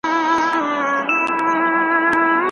لا د ځمکې تل کې اېشي تللې وینې د زلمیانو